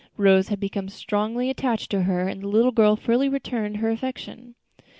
Rose became strongly attached to her, and the little girl fully returned her affection.